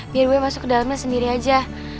biar gue masuk ke dalamnya sendiri aja